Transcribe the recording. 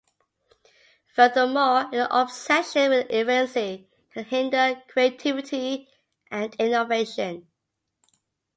Furthermore, an obsession with efficiency can hinder creativity and innovation.